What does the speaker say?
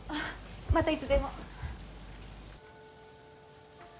またいつでも。